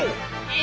え！